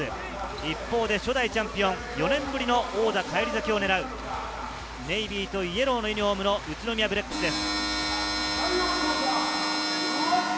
一方で初代チャンピオン、４年ぶりの王者返り咲きをねらうネイビーとイエローのユニホームの宇都宮ブレックスです。